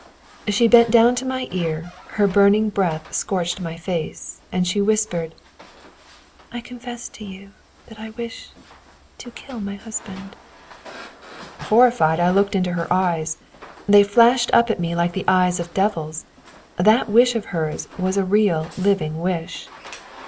She bent down to my ear, her burning breath scorched my face, and she whispered: "I confess to you that I wish to kill my husband." Horrified, I looked into her eyes, they flashed up at me like the eyes of devils. That wish of hers was a real living wish.